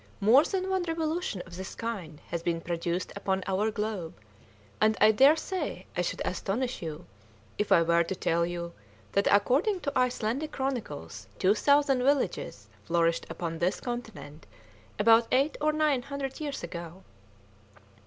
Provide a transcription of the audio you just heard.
"More than one revolution of this kind has been produced upon our globe, and I daresay I should astonish you if I were to tell you that according to Icelandic chronicles two thousand villages flourished upon this continent about eight or nine hundred years ago."